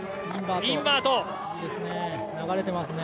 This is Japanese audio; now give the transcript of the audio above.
インバート。